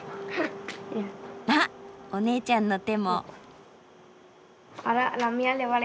あっお姉ちゃんの手も。